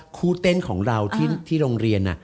คู่เต้นของเราที่โรงเรียน